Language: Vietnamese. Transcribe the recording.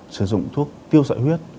sử dụng thuốc tiêu sợi huyết